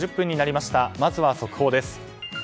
まずは速報です。